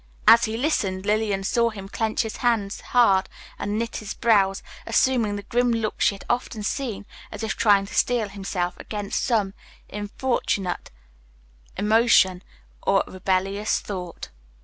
As he listened, Lillian saw him clench his hand hard and knit his brows, assuming the grim look she had often seen, as if trying to steel himself against some importunate emotion or rebellious thought.